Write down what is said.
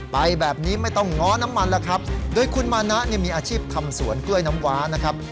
ไปแบบนี้ไม่ต้องง้อน้ำมันแล้วครับโดยคุณมานะเนี่ยมีอาชีพทำสวนกล้วยน้ำว้านะครับ